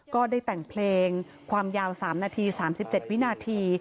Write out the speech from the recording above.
ก็ได้แต่งเพลงความยาว๓นาที๓๗วินาที